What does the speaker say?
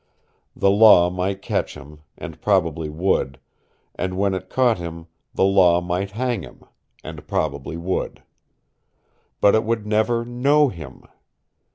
The law might catch him, and probably would, and when it caught him the law might hang him and probably would. But it would never KNOW him.